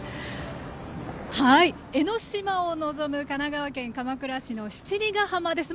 江の島を望む神奈川県鎌倉市の七里ガ浜です。